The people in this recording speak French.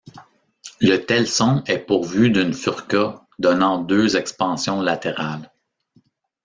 Le telson est pourvu d’une furca donnant deux expansions latérales.